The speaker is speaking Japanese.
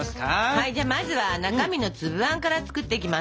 はいじゃあまずは中身の粒あんから作っていきます。